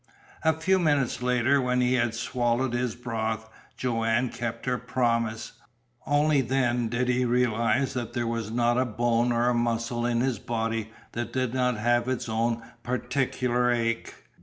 A few minutes later, when he had swallowed his broth, Joanne kept her promise. Only then did he realize that there was not a bone or a muscle in his body that did not have its own particular ache.